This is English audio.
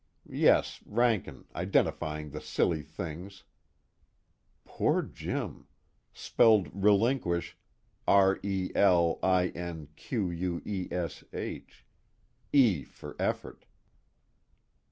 Yes, Rankin, identifying the silly things. _Poor Jim, spelled "relinquish" r e l i n q u e s h. E for effort.